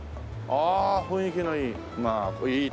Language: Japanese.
ああ雰囲気のいい。